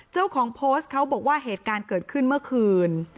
เจ้าของโพสต์เขาบอกว่าเหตุการณ์เกิดขึ้นเมื่อคืน